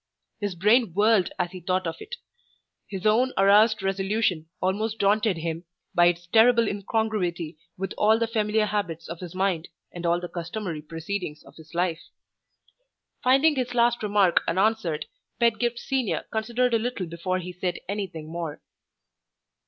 His brain whirled as he thought of it. His own roused resolution almost daunted him, by its terrible incongruity with all the familiar habits of his mind, and all the customary proceedings of his life. Finding his last remark unanswered, Pedgift Senior considered a little before he said anything more.